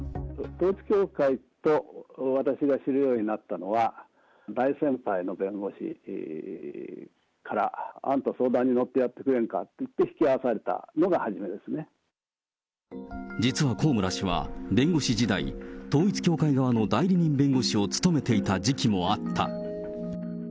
統一教会を私が知るようになったのは、大先輩の弁護士から、あんた、相談に乗ってやってくれんかっていって引き合わされたのが始めで実は高村氏は弁護士時代、統一教会側の代理人弁護士を務めていた時期もあった。